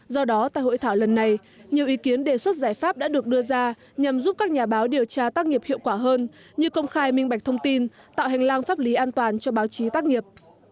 do đó tại hội thảo lần này nhiều ý kiến đề xuất giải pháp đã được đưa ra nhằm giúp các nhà báo điều tra tác nghiệp hiệu quả hơn như công khai minh bạch thông tin tạo hành lang pháp lý an toàn cho báo chí tác nghiệp